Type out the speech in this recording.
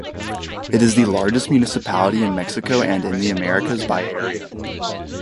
It is the largest municipality in Mexico and in the Americas by area.